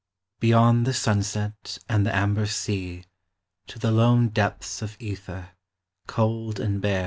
Beyond the sunset and the amber sea To the Lone depths of ether, cold and ha